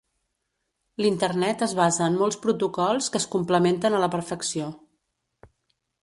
L'Internet es basa en molts protocols que es complementen a la perfecció.